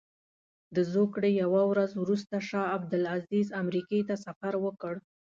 د زوکړې یوه ورځ وروسته شاه عبدالعزیز امریکې ته سفر وکړ.